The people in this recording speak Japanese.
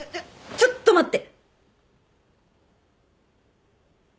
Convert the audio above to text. ちょっと待って。